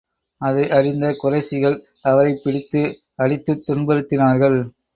அதை அறிந்த குறைஷிகள், அவரைப் பிடித்து அடித்துத் துன்புறுத்தினார்கள்.